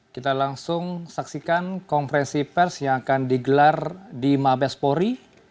kita langsung saksikan konferensi pers yang akan digelar di mabespori